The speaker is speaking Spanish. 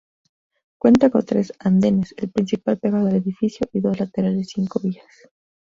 Cuenta con tres andenes, el principal pegado al edificio y dos laterales cinco vías.